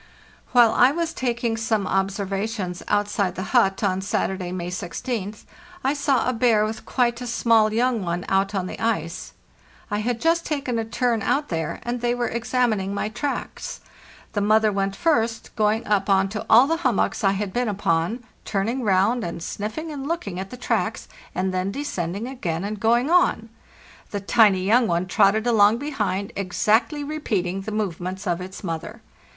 While I was taking some observations outside the hut on Saturday, May 16th, I saw a bear with quite a small young one out on the ice. I had just taken a turn out there, and they were examining my tracks. The mother went first, going up on to all the hummocks I had been upon, turning round and sniffing and looking at the tracks, and then descending again and going on. The tiny young one trotted along behind, exactly repeating the movements of its mother.